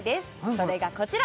それがこちら！